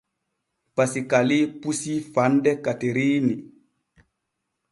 Pasikaali pusii fande Kateriini.